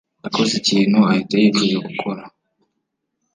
yakoze ikintu ahita yicuza gukora.